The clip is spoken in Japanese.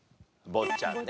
『坊っちゃん』ね。